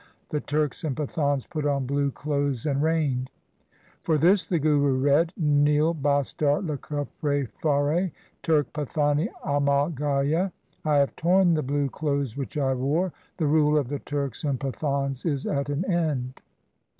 The Turks and Pathans put on blue clothes and reigned. For this the Guru read :— Nil bastar le kapre phare ; Turk Pathani amal gaya. I have torn the blue clothes which I wore ; the rule of the Turks and Pathans is at an end.